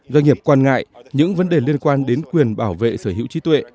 doanh nghiệp quan ngại những vấn đề liên quan đến quyền bảo vệ sở hữu trí tuệ